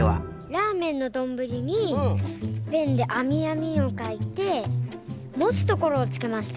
ラーメンのどんぶりにペンであみあみをかいてもつところをつけました。